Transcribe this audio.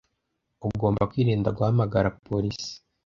Ugomba kwirinda guhamagara polisi